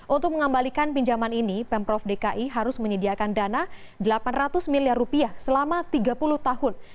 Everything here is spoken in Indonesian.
untuk mengembalikan pinjaman ini pemprov dki harus menyediakan dana delapan ratus miliar rupiah selama tiga puluh tahun